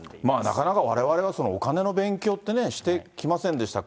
なかなかわれわれがそのお金の勉強ってね、してきませんでした。